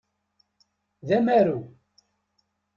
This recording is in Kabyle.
D amaru.